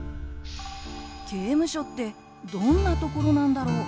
刑務所ってどんなところなんだろう？